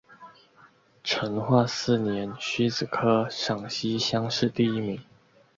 成化四年戊子科陕西乡试第一名。